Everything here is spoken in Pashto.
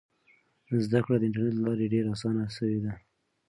زده کړه د انټرنیټ له لارې ډېره اسانه سوې ده.